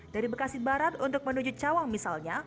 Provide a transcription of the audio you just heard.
dari bekasi barat untuk menuju cawang misalnya